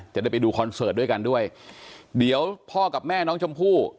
จะได้ไปดูคอนเสิร์ตด้วยกันด้วยเดี๋ยวพ่อกับแม่น้องชมพู่